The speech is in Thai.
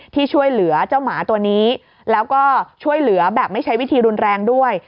ที่ช่วยเหลือเจ้าหมาตัวนี้แล้วก็ช่วยเหลือแบบไม่ใช้วิธีรุนแรงด้วย